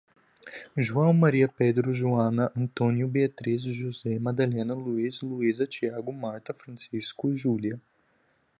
João, Maria, Pedro, Joana, António, Beatriz, José, Madalena, Luís, Luísa, Tiago, Marta, Francisco, Júlia